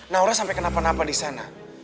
naura sampai kenapa napa di sana